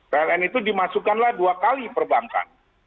pln itu dimasukkanlah dua kali perbankan